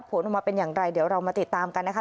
ผลออกมาเป็นอย่างไรเดี๋ยวเรามาติดตามกันนะคะ